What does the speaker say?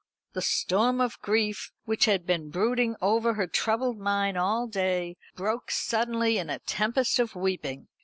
The storm of grief which had been brooding over her troubled mind all day, broke suddenly in a tempest of weeping.